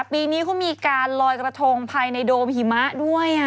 ปีนี้เขามีการลอยกระทงภายในโดมหิมะด้วย